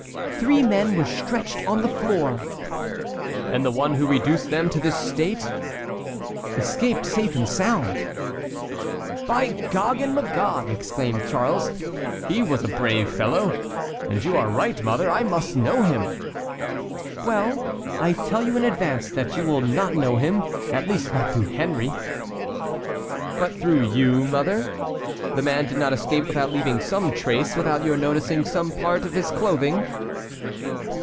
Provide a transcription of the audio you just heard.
"Three men were stretched on the floor." "And the one who reduced them to this state?" "Escaped safe and sound." "By Gog and Magog!" exclaimed Charles, "he was a brave fellow, and you are right, mother, I must know him." "Well, I tell you in advance that you will not know him, at least not through Henry." "But through you, mother? The man did not escape without leaving some trace, without your noticing some part of his clothing."